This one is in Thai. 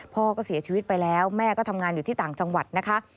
พ่อก็เสียชีวิตไปแล้วแม่ก็ทำงานอยู่ที่ต่างจังหวัดนะคะ